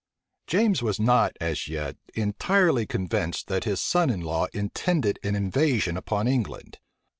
James was not, as yet, entirely convinced that his son in law intended an invasion upon England.